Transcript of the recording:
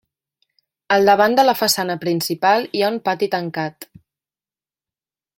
Al davant de la façana principal hi ha un pati tancat.